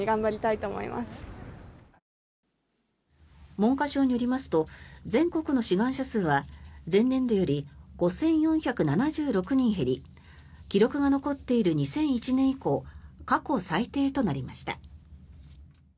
文科省によりますと全国の志願者数は前年度より５４７６人減り記録が残っている２００１年以降過去最低となりました。